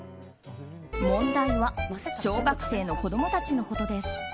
問題は小学生の子供たちのことです。